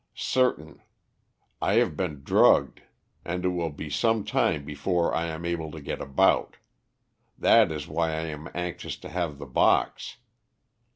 "Certain. I have been drugged and it will be some time before I am able to get about. That is why I am anxious to have the box.